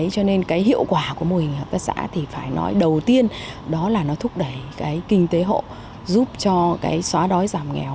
cho nên cái hiệu quả của mô hình hợp tác xã thì phải nói đầu tiên đó là nó thúc đẩy cái kinh tế hộ giúp cho cái xóa đói giảm nghèo